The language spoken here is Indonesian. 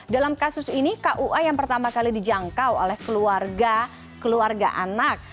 dalam kasus ini kua yang pertama kali dijangkau oleh keluarga keluarga anak